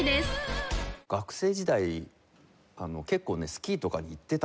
学生時代結構ねスキーとかに行ってたんですよ。